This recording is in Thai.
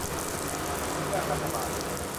ลูกจ้างรัฐบาล